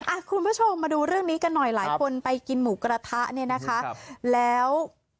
คุณผู้ชมมาดูเรื่องนี้กันหน่อยหลายคนไปกินหมูกระทะเนี่ยนะคะครับแล้ว